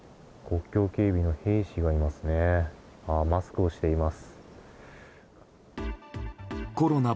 国境警備の兵士がいますね。